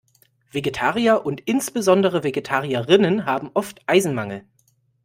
Vegetarier und insbesondere Vegetarierinnen haben oft Eisenmangel.